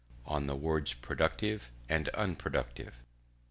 ON THE WORDS PRODUCTIVE AND UNPRODUCTIVE.